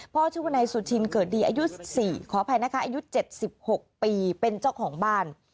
ชื่อวนายสุชินเกิดดีอายุ๔ขออภัยนะคะอายุ๗๖ปีเป็นเจ้าของบ้าน